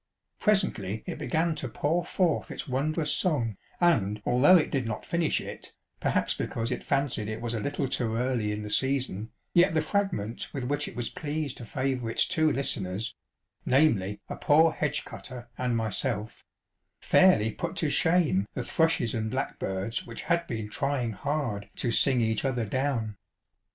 Pre sently it began to pour forth its wondrous song, and although it did not finish it, perhaps because it fancied it was a little too early in the season, yet the fragment with which it was pleased to favour its two listeners ŌĆö namely, a poor hedge cutter and myself ŌĆö fairly put to shame the thrushes and blackbirds which had been trying hard to sing each other down.